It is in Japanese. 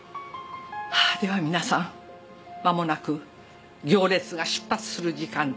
では皆さん間もなく行列が出発する時間です。